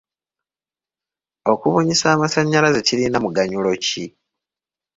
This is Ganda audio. Okubunyisa amasannyalaze kirina muganyulo ki?